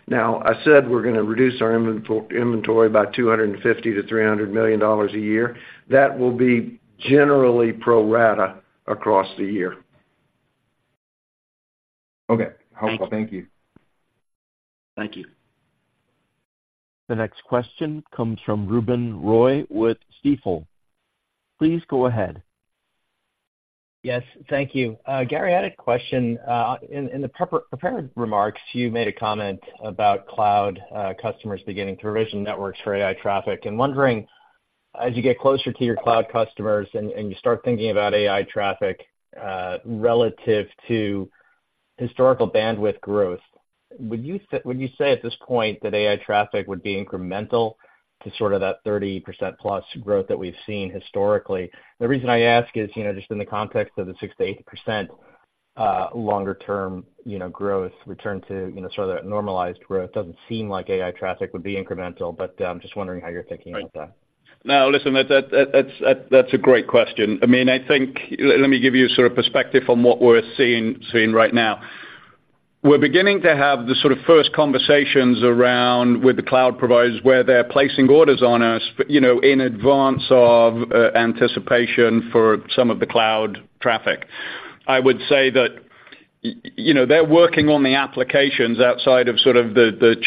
Now, I said we're gonna reduce our inventory by $250 million-$300 million a year. That will be generally pro rata across the year. Okay. Thank you. Thank you. The next question comes from Ruben Roy with Stifel. Please go ahead. Yes, thank you. Gary, I had a question. In the prepared remarks, you made a comment about cloud customers beginning to provision networks for AI traffic. I'm wondering, as you get closer to your cloud customers and you start thinking about AI traffic, relative to historical bandwidth growth, would you say, would you say at this point that AI traffic would be incremental to sort of that 30%+ growth that we've seen historically? The reason I ask is, you know, just in the context of the 6%-8%, longer term, you know, growth return to, you know, sort of normalized growth, doesn't seem like AI traffic would be incremental, but I'm just wondering how you're thinking about that. Now, listen, that's a great question. I mean, I think, let me give you sort of perspective on what we're seeing right now. We're beginning to have the sort of first conversations around with the cloud providers, where they're placing orders on us, but, you know, in advance of anticipation for some of the cloud traffic. I would say that, you know, they're working on the applications outside of sort of the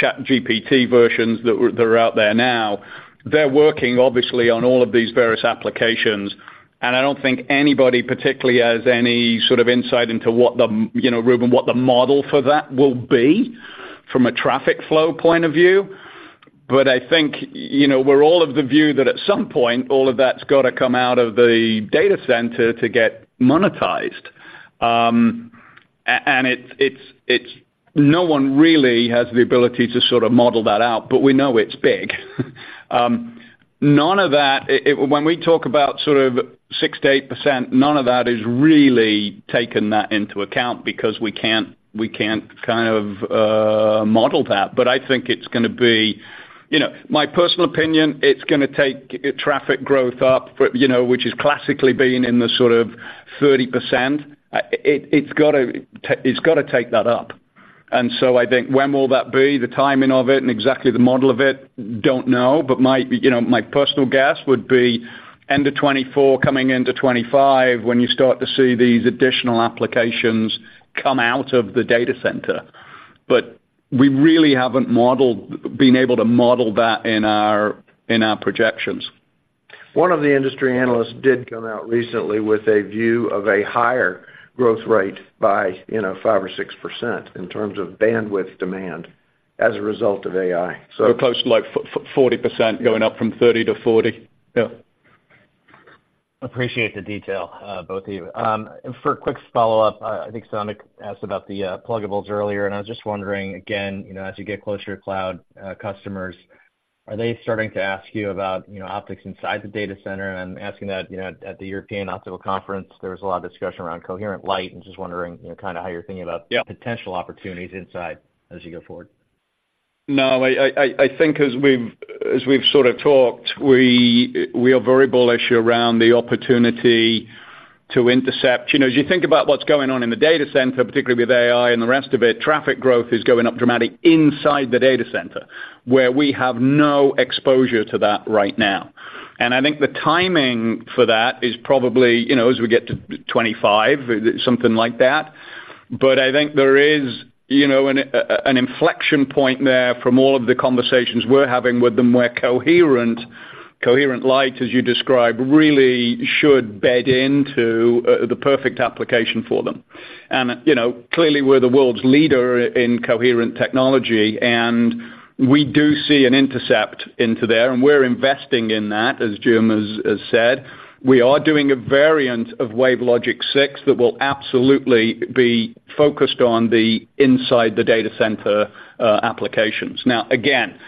ChatGPT versions that are out there now. They're working, obviously, on all of these various applications, and I don't think anybody particularly has any sort of insight into what the, you know, Ruben, what the model for that will be from a traffic flow point of view. But I think, you know, we're all of the view that at some point, all of that's got to come out of the data center to get monetized. And it's, it's, it's no one really has the ability to sort of model that out, but we know it's big. None of that, it, it when we talk about sort of 6%-8%, none of that is really taking that into account because we can't, we can't kind of model that. But I think it's gonna be... You know, my personal opinion, it's gonna take traffic growth up, for, you know, which has classically been in the sort of 30%. It, it's got to, it's got to take that up.... And so I think when will that be, the timing of it and exactly the model of it? Don't know, but my, you know, my personal guess would be end of 2024, coming into 2025, when you start to see these additional applications come out of the data center. But we really haven't been able to model that in our, in our projections. One of the industry analysts did come out recently with a view of a higher growth rate by, you know, 5% or 6% in terms of bandwidth demand as a result of AI. So. We're close to, like, 40%, going up from 30%-40%? Yeah. Appreciate the detail, both of you. For a quick follow-up, I think Samik asked about the pluggables earlier, and I was just wondering, again, you know, as you get closer to cloud customers, are they starting to ask you about, you know, optics inside the data center? I'm asking that, you know, at the European Optical Conference, there was a lot of discussion around Coherent Lite, and just wondering, you know, kinda how you're thinking about- Yeah Potential opportunities inside as you go forward. No, I think as we've sort of talked, we are very bullish around the opportunity to intercept. You know, as you think about what's going on in the data center, particularly with AI and the rest of it, traffic growth is going up dramatically inside the data center, where we have no exposure to that right now. And I think the timing for that is probably, you know, as we get to 2025, something like that. But I think there is, you know, an inflection point there from all of the conversations we're having with them, where Coherent Lite, as you describe, really should bed into the perfect application for them. And, you know, clearly, we're the world's leader in coherent technology, and we do see an intercept into there, and we're investing in that, as Jim has said. We are doing a variant of WaveLogic 6 that will absolutely be focused on the inside the data center, applications. Now, again,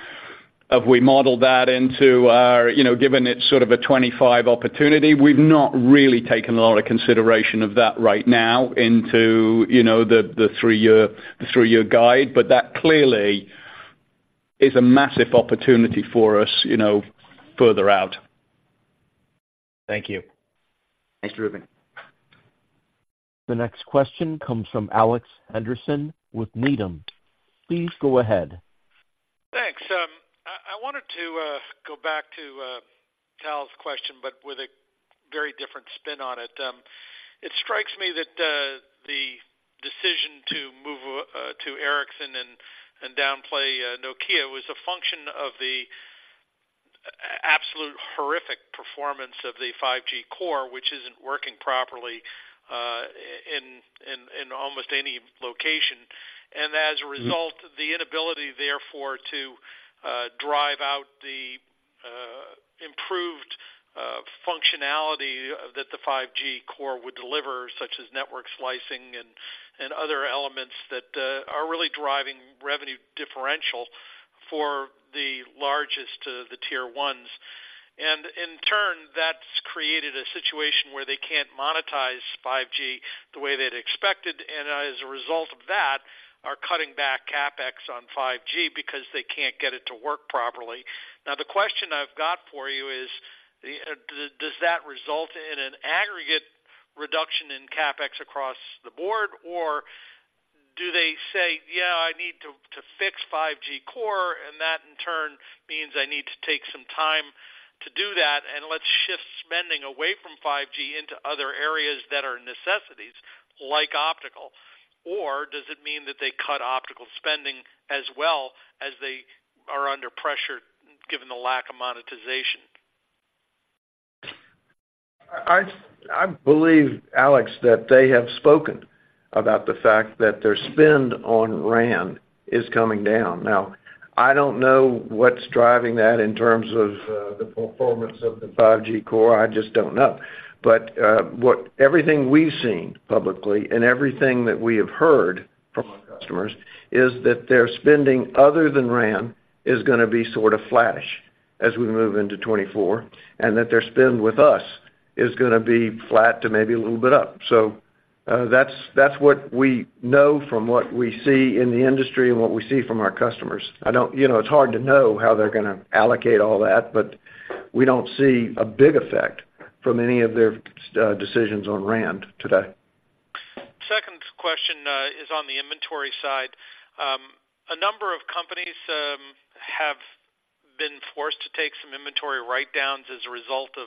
have we modeled that into our, you know, given it sort of a 2025 opportunity? We've not really taken a lot of consideration of that right now into, you know, the, the three-year, the three-year guide, but that clearly is a massive opportunity for us, you know, further out. Thank you. Thanks, Ruben. The next question comes from Alex Henderson with Needham. Please go ahead. Thanks. I wanted to go back to Tal's question, but with a very different spin on it. It strikes me that the decision to move to Ericsson and downplay Nokia was a function of the absolute horrific performance of the 5G core, which isn't working properly in almost any location. And as a result the inability, therefore, to drive out the improved functionality that the 5G core would deliver, such as network slicing and, and other elements that are really driving revenue differential for the largest, the Tier 1s. And in turn, that's created a situation where they can't monetize 5G the way they'd expected, and as a result of that, are cutting back CapEx on 5G because they can't get it to work properly. Now, the question I've got for you is, does that result in an aggregate reduction in CapEx across the board, or do they say, "Yeah, I need to fix 5G core, and that, in turn, means I need to take some time to do that, and let's shift spending away from 5G into other areas that are necessities, like optical?" Or does it mean that they cut optical spending as well as they are under pressure, given the lack of monetization? I believe, Alex, that they have spoken about the fact that their spend on RAN is coming down. Now, I don't know what's driving that in terms of the performance of the 5G core. I just don't know. But everything we've seen publicly and everything that we have heard from our customers is that their spending, other than RAN, is gonna be sort of flat-ish as we move into 2024, and that their spend with us is gonna be flat to maybe a little bit up. So, that's what we know from what we see in the industry and what we see from our customers. I don't know. You know, it's hard to know how they're gonna allocate all that, but we don't see a big effect from any of their decisions on RAN today. Second question, is on the inventory side. A number of companies have been forced to take some inventory write-downs as a result of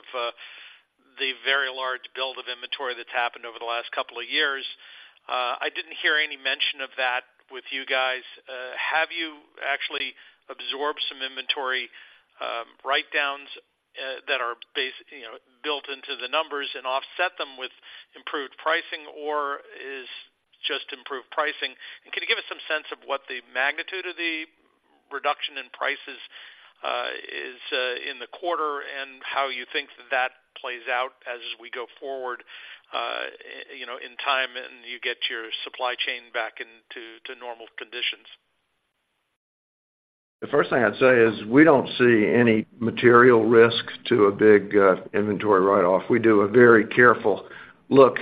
the very large build of inventory that's happened over the last couple of years. I didn't hear any mention of that with you guys. Have you actually absorbed some inventory write-downs that are, you know, built into the numbers and offset them with improved pricing, or is just improved pricing? And can you give us some sense of what the magnitude of the reduction in prices is in the quarter, and how you think that plays out as we go forward, you know, in time, and you get your supply chain back into normal conditions? The first thing I'd say is, we don't see any material risk to a big inventory write-off. We do a very careful look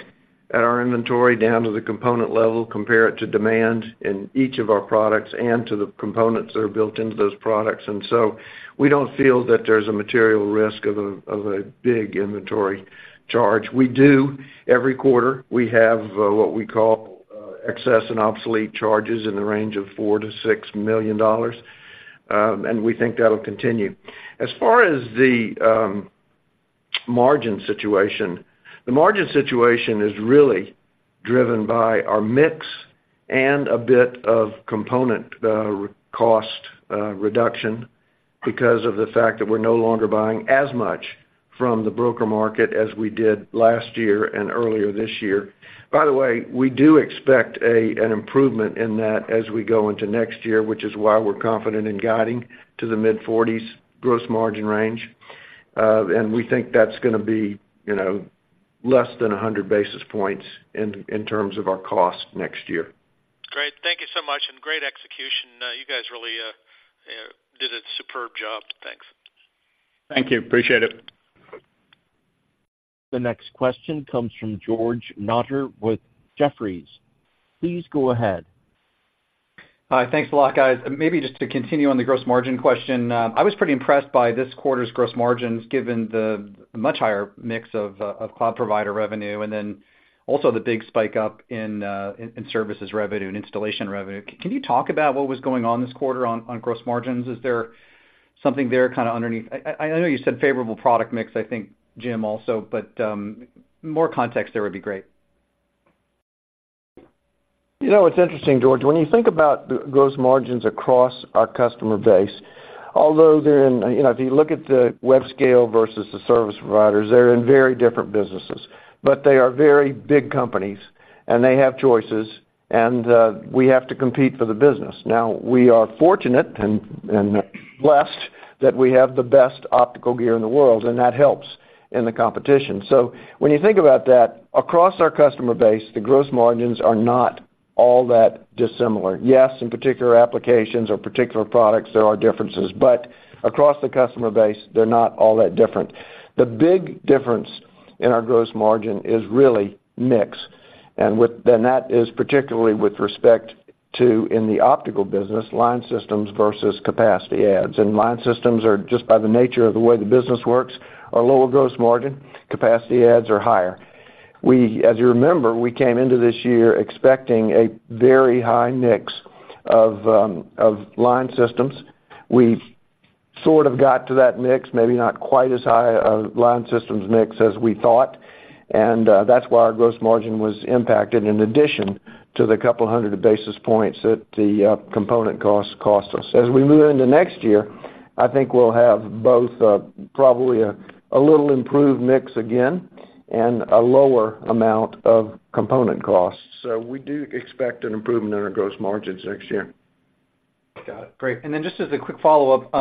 at our inventory down to the component level, compare it to demand in each of our products and to the components that are built into those products. And so we don't feel that there's a material risk of a big inventory charge. We do, every quarter, we have what we call excess and obsolete charges in the range of $4-$6 million. And we think that'll continue. As far as the margin situation, the margin situation is really driven by our mix and a bit of component cost reduction because of the fact that we're no longer buying as much from the broker market as we did last year and earlier this year. By the way, we do expect a, an improvement in that as we go into next year, which is why we're confident in guiding to the mid-forties gross margin range. And we think that's gonna be, you know, less than 100 basis points in terms of our cost next year. Great. Thank you so much, and great execution. You guys really did a superb job. Thanks. Thank you. Appreciate it. The next question comes from George Notter with Jefferies. Please go ahead. Hi. Thanks a lot, guys. Maybe just to continue on the gross margin question, I was pretty impressed by this quarter's gross margins, given the much higher mix of of cloud provider revenue, and then also the big spike up in in services revenue and installation revenue. Can you talk about what was going on this quarter on gross margins? Is there something there kind of underneath—I know you said favorable product mix, I think, Jim, also, but more context there would be great. You know, it's interesting, George, when you think about the gross margins across our customer base, although they're in, you know, if you look at the webscale versus the service providers, they're in very different businesses. But they are very big companies, and they have choices, and we have to compete for the business. Now, we are fortunate and blessed that we have the best optical gear in the world, and that helps in the competition. So when you think about that, across our customer base, the gross margins are not all that dissimilar. Yes, in particular applications or particular products, there are differences, but across the customer base, they're not all that different. The big difference in our gross margin is really mix, and that is particularly with respect to, in the optical business, line systems versus capacity adds. Line systems are, just by the nature of the way the business works, lower gross margin. Capacity adds are higher. As you remember, we came into this year expecting a very high mix of line systems. We sort of got to that mix, maybe not quite as high a line systems mix as we thought, and that's why our gross margin was impacted, in addition to the couple hundred of basis points that the component costs cost us. As we move into next year, I think we'll have both, probably a little improved mix again and a lower amount of component costs. So we do expect an improvement in our gross margins next year. Got it. Great. And then just as a quick follow-up,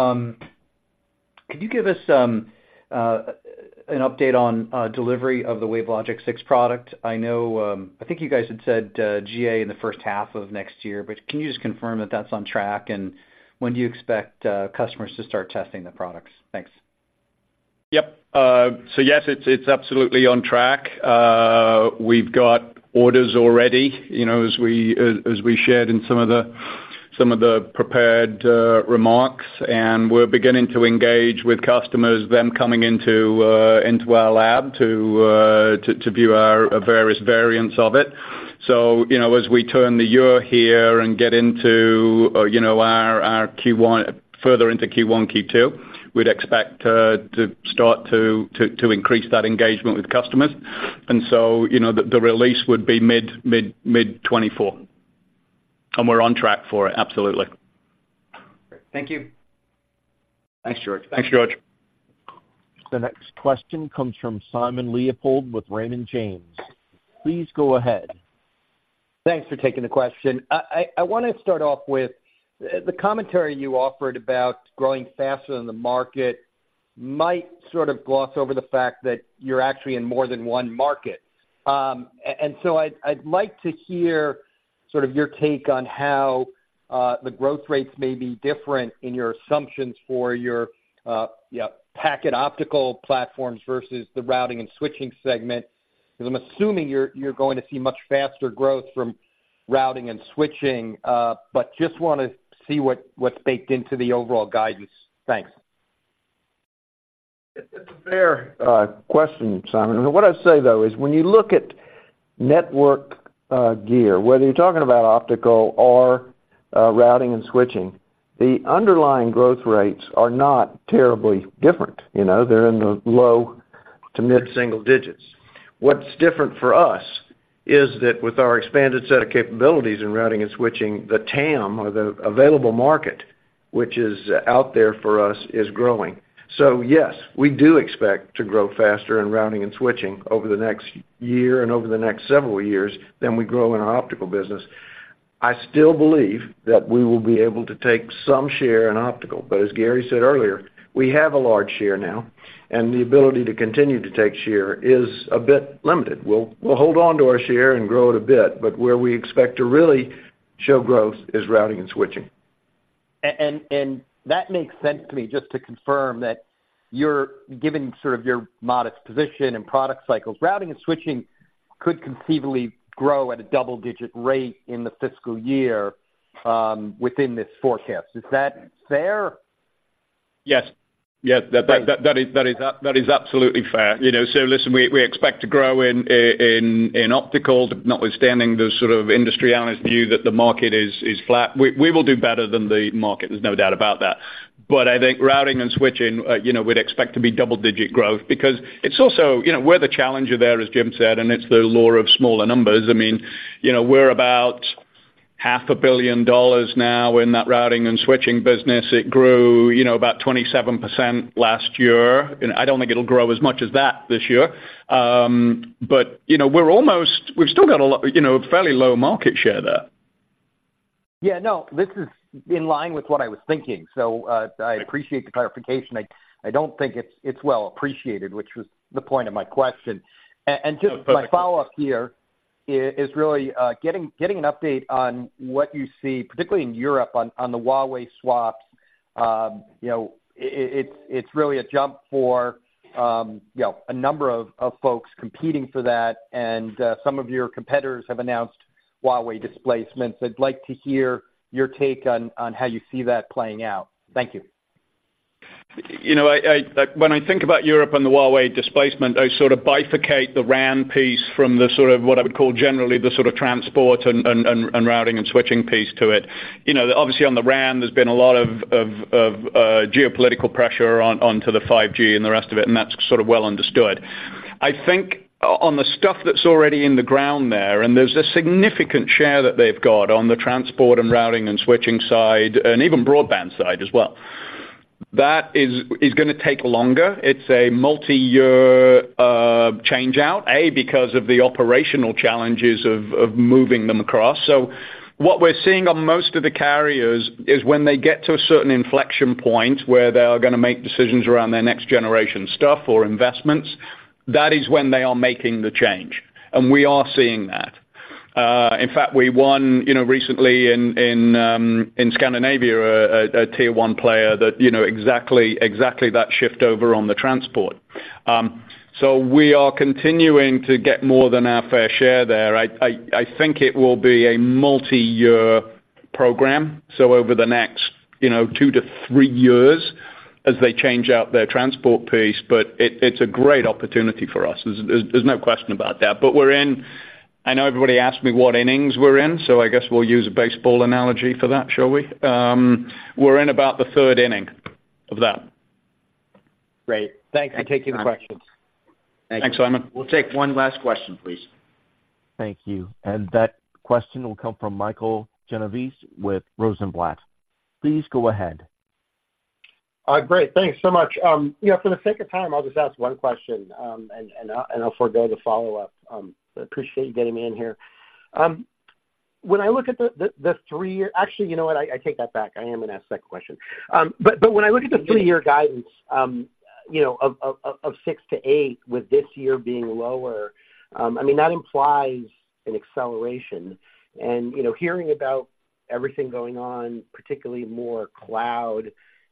could you give us an update on delivery of the WaveLogic 6 product? I know, I think you guys had said GA in the first half of next year, but can you just confirm that that's on track? And when do you expect customers to start testing the products? Thanks. Yep. So yes, it's absolutely on track. We've got orders already, you know, as we shared in some of the prepared remarks, and we're beginning to engage with customers, them coming into our lab to view our various variants of it. So, you know, as we turn the year here and get into our Q1, further into Q1, Q2, we'd expect to start to increase that engagement with customers. And so, you know, the release would be mid-2024, and we're on track for it, absolutely. Great. Thank you. Thanks, George. Thanks, George. The next question comes from Simon Leopold with Raymond James. Please go ahead. Thanks for taking the question. I wanna start off with the commentary you offered about growing faster than the market might sort of gloss over the fact that you're actually in more than one market. And so I'd like to hear sort of your take on how the growth rates may be different in your assumptions for your packet optical platforms versus the Routing and Switching segment. 'Cause I'm assuming you're going to see much faster growth from Routing and Switching, but just wanna see what's baked into the overall guidance. Thanks. It's a fair question, Simon. What I'd say, though, is when you look at network gear, whether you're talking about optical or Routing and Switching, the underlying growth rates are not terribly different. You know, they're in the low to mid-single digits. What's different for us is that with our expanded set of capabilities in Routing and Switching, the TAM, or the available market, which is out there for us, is growing. So yes, we do expect to grow faster in Routing and Switching over the next year and over the next several years than we grow in our optical business. I still believe that we will be able to take some share in optical, but as Gary said earlier, we have a large share now, and the ability to continue to take share is a bit limited. We'll hold on to our share and grow it a bit, but where we expect to really show growth is Routing and Switching. And that makes sense to me, just to confirm that you're giving sort of your modest position and product cycles. Routing and Switching could conceivably grow at a double-digit rate in the fiscal year, within this forecast. Is that fair? Yes. Yes, that is absolutely fair. You know, so listen, we expect to grow in optical, notwithstanding the sort of industry analyst view that the market is flat. We will do better than the market, there's no doubt about that. But I think Routing and Switching, you know, we'd expect to be double-digit growth because it's also, you know, we're the challenger there, as Jim said, and it's the law of smaller numbers. I mean, you know, we're about $500 million now in that Routing and Switching business. It grew, you know, about 27% last year, and I don't think it'll grow as much as that this year. But, you know, we're almost we've still got a lot, you know, fairly low market share there. Yeah, no, this is in line with what I was thinking, so I appreciate the clarification. I don't think it's well appreciated, which was the point of my question. And just my follow-up here is really getting an update on what you see, particularly in Europe, on the Huawei swaps. You know, it's really a jump for, you know, a number of folks competing for that, and some of your competitors have announced Huawei displacements. I'd like to hear your take on how you see that playing out. Thank you. You know, when I think about Europe and the Huawei displacement, I sort of bifurcate the RAN piece from the sort of, what I would call, generally, the sort of transport and Routing and Switching piece to it. You know, obviously, on the RAN, there's been a lot of geopolitical pressure onto the 5G and the rest of it, and that's sort of well understood. I think on the stuff that's already in the ground there, and there's a significant share that they've got on the transport and Routing and Switching side, and even broadband side as well, that is gonna take longer. It's a multiyear change-out, because of the operational challenges of moving them across. So what we're seeing on most of the carriers is when they get to a certain inflection point where they are gonna make decisions around their next generation stuff or investments, that is when they are making the change, and we are seeing that. In fact, we won, you know, recently in Scandinavia, a Tier 1 player that, you know, exactly that shift over on the transport. So we are continuing to get more than our fair share there. I think it will be a multiyear program, so over the next, you know, two to three years as they change out their transport piece, but it's a great opportunity for us. There's no question about that. But we're in I know everybody asked me what innings we're in, so I guess we'll use a baseball analogy for that, shall we? We're in about the third inning of that. Great. Thanks for taking the question. Thanks, Simon. We'll take one last question, please. Thank you. That question will come from Michael Genovese with Rosenblatt. Please go ahead. Great. Thanks so much. You know, for the sake of time, I'll just ask one question, and I'll forgo the follow-up. I appreciate you getting me in here. When I look at the three-year... Actually, you know what, I take that back. I am gonna ask that question. But when I look at the three-year guidance, you know, of 6-8, with this year being lower, I mean, that implies an acceleration. You know, hearing about everything going on, particularly more cloud,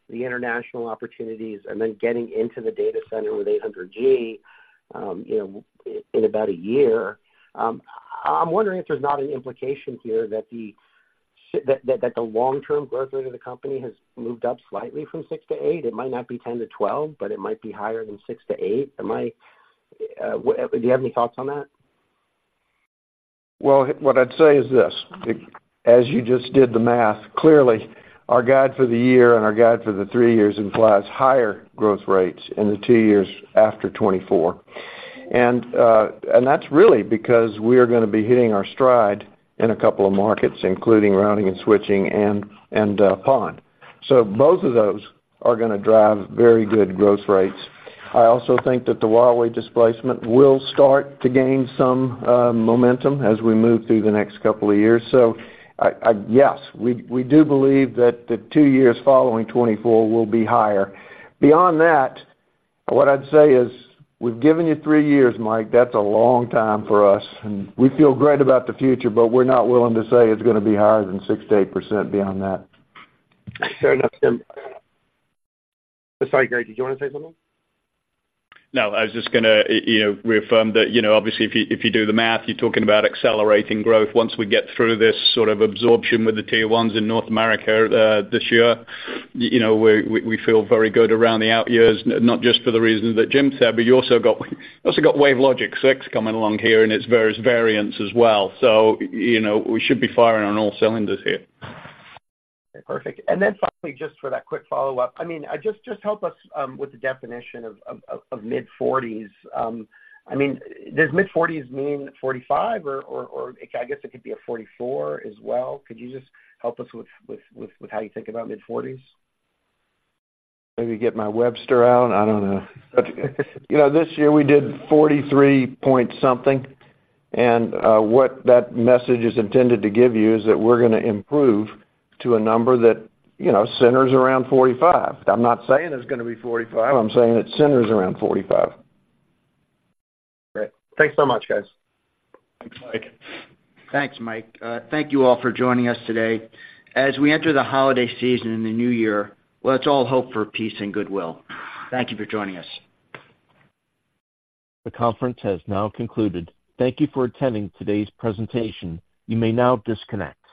the international opportunities, and then getting into the data center with 800G, you know, in about a year, I'm wondering if there's not an implication here that that the long-term growth rate of the company has moved up slightly from 6-8. It might not be 10-12, but it might be higher than 6-8. Am I, do you have any thoughts on that? Well, what I'd say is this: as you just did the math, clearly, our guide for the year and our guide for the three years implies higher growth rates in the two years after 2024. And that's really because we are gonna be hitting our stride in a couple of markets, including Routing and Switching and PON. So both of those are gonna drive very good growth rates. I also think that the Huawei displacement will start to gain some momentum as we move through the next couple of years. So, yes, we do believe that the two years following 2024 will be higher. Beyond that, what I'd say is, we've given you three years, Mike, that's a long time for us, and we feel great about the future, but we're not willing to say it's gonna be higher than 6%-8% beyond that. Fair enough, Jim. Sorry, Gary, did you want to say something? No, I was just gonna, you know, reaffirm that, you know, obviously, if you, if you do the math, you're talking about accelerating growth once we get through this sort of absorption with the Tier 1s in North America, this year. You know, we feel very good around the out years, not just for the reasons that Jim said, but you also got, you also got WaveLogic 6 coming along here in its various variants as well. So, you know, we should be firing on all cylinders here. Perfect. And then finally, just for that quick follow-up, I mean, just help us with the definition of mid-40s. I mean, does mid-40s mean 45 or, I guess it could be a 44 as well? Could you just help us with how you think about mid-40s? Let me get my Webster out. I don't know. You know, this year we did 43.something, and what that message is intended to give you is that we're gonna improve to a number that, you know, centers around 45. I'm not saying it's gonna be 45, I'm saying it centers around 45. Great. Thanks so much, guys. Thanks, Mike. Thanks, Mike. Thank you all for joining us today. As we enter the holiday season and the new year, let's all hope for peace and goodwill. Thank you for joining us. The conference has now concluded. Thank you for attending today's presentation. You may now disconnect.